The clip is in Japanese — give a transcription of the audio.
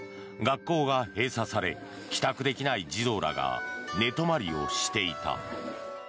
学校が閉鎖され帰宅できない児童らが寝泊まりをしていた。